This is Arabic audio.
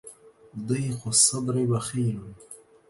ضيق الصدر بخيل